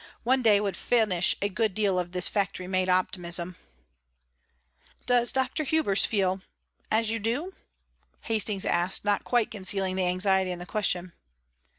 One day would finish a good deal of this factory made optimism." "Does Dr. Hubers feel as you do?" Hastings asked, not quite concealing the anxiety in the question.